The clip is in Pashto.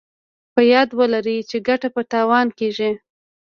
په ياد ولرئ چې ګټه په تاوان کېږي.